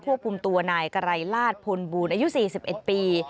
ควบคุมตัวนายไกรลาศพลบูลอายุ๔๑ปี